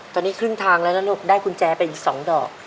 ตอนนี้ครึ่งทางแล้วนะลูกได้กุญแจไปอีก๒ดอก